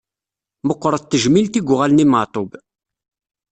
Meqqret tejmilt i yuɣalen i Meɛtub.